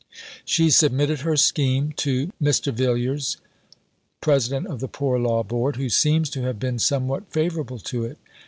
She submitted her scheme to Mr. Villiers, President of the Poor Law Board, who seems to have been somewhat favourable to it.